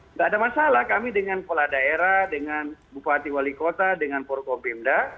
nggak ada masalah kami dengan kepala daerah dengan bupati wali kota dengan porkopimda